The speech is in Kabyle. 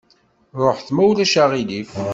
Ruḥet, ma ulac aɣilif!